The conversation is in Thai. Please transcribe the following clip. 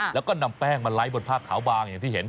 แล้วก็นำแป้งมาไล่บนผ้าขาวบางอย่างที่เห็น